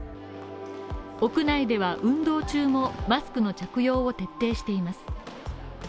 屋内では運動中もマスクの着用を徹底しています。